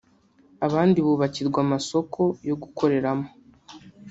abandi bubakirwa amasoko yo gukoreramo